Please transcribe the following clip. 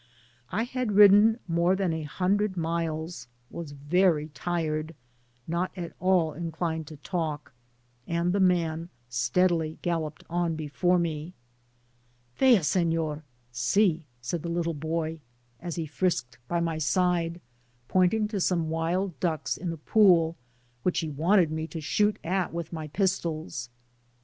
I had ridden more than a hundred Digitized byGoogk THE 1>AMPAS* lOd imlesy was very tired, not at all inclined to talk, and the man steadily galloped on before me. " Vea, Seiior r (see !) said the little boy, as he frisked by my side, pointing to some wild ducks in a pool, which he wanted me to shoot at with my pistols.